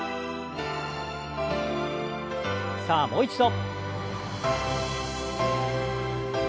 さあもう一度。